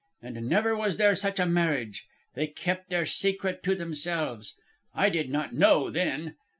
And never was there such a marriage. They kept their secret to themselves. I did not know, then.